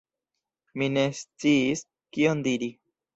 Mi ne sciis, kion diri.